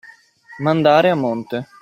Mandare a monte.